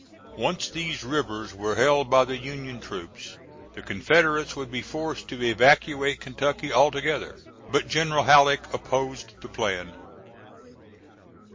Once these rivers were held by the Union troops, the Confederates would be forced to evacuate Kentucky altogether. But General Halleck opposed the plan.